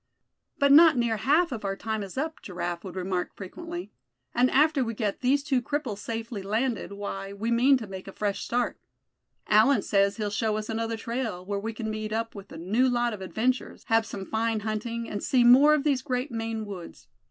"But not near half of our time is up," Giraffe would remark frequently; "and after we get these two cripples safely landed, why, we mean to make a fresh start. Allan says he'll show us another trail, where we c'n meet up with a new lot of adventures, have some fine hunting, and see more of these great Maine woods.